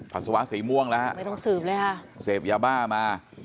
ปัสสาวะสีม่วงแล้วฮะไม่ต้องสืบเลยค่ะเสพยาบ้ามา